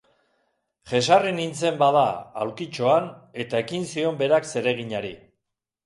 Jesarri nintzen, bada, aulkitxoan, eta ekin zion berak zereginari.